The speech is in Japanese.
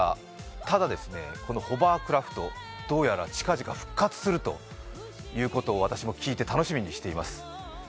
ただ、このホバークラフト、どうやら近々復活するということを聞いて、私も楽しみにしています。